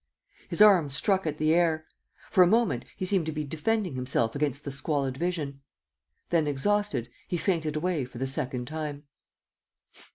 ... His arms struck at the air. For a moment, he seemed to be defending himself against the squalid vision. Then, exhausted, he fainted away for the second time.